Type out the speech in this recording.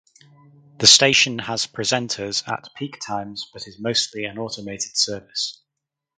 The station has presenters at peak times but is mostly an automated service.